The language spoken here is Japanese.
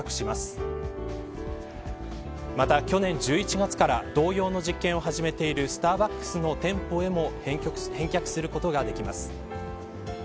また、去年１１月から同様の実験を始めているスターバックスの店舗へも返却することができます。